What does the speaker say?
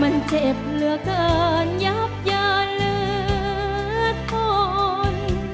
มันเจ็บเหลือเกินยับยาเลือดคน